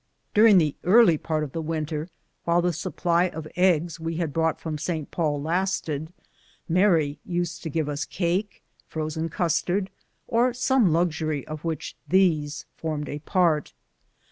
During the early part of the winter, while the supply of eggs 220 BOOTS AND SADDLES. we had brought from St. Paul lasted, Mary used to give us cake, frozen cnstard, or some luxury of which these formed a part.